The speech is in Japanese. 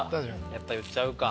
・やっぱ言っちゃうか。